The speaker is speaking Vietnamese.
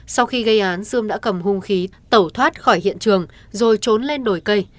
sau khi gây án sươm đã cầm hung khí tẩu thoát khỏi hiện trường rồi trốn lên đồi cây